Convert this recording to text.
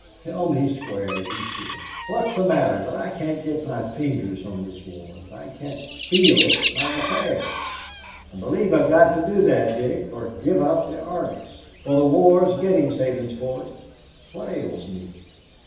Tell me square, as you see it. What's the matter, that I can't get my fingers on this war, that I can't feel it my affair? I believe I've got to do that, Dick, or give up the Argus for the war's getting Sabinsport. What ails me?"